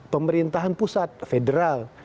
pemerintahan pusat federal